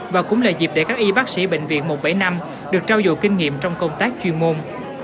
và cũng là dịp để các y bác sĩ bệnh viện một trăm bảy mươi năm được trao dồ kinh nghiệm trong công tác chuyên môn